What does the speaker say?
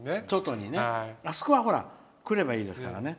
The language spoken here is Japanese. あそこは来ればいいですからね。